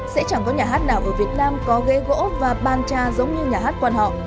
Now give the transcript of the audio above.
sẽ chẳng có nhà hát nào ở việt nam có ghế gỗ và ban cha giống như nhà hát quan họ